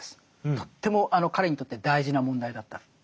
とっても彼にとって大事な問題だった。